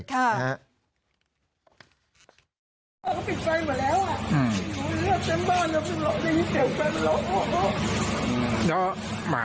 ค่ะ